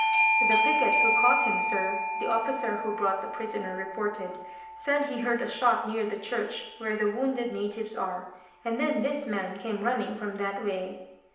"The picket who caught him, sir," the officer who brought the prisoner reported, "said he heard a shot near the church where the wounded natives are; and then this man came running from that way."